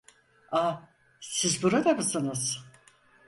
Ah, siz burada mısınız?